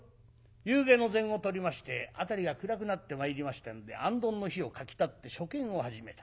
夕げの膳をとりまして辺りが暗くなってまいりましたのであんどんの灯をかきたてて書見を始めた。